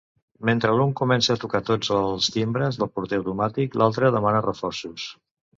Mentre l'un comença a tocar tots els timbres del porter automàtic, l'altre demana reforços.